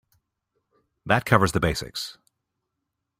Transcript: That covers the basics.